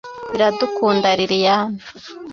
Iradukunda Liliane